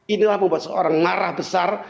inilah seorang marah besar